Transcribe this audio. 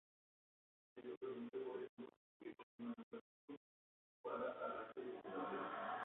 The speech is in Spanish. Esto permite por ejemplo construir un menú gráfico para arranque desde la red.